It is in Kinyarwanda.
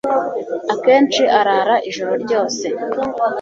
akenshi arara ijoro ryose